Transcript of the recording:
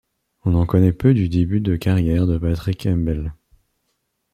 On en connait peu du début de carrière de Patrick M'Bele.